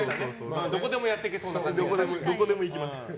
どこでもやっていけそうな感じが。